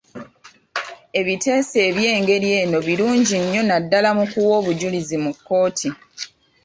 Ebiteeso eby'engeri eno birungi nnyo naddala mu kuwa obujulizi mu kkooti.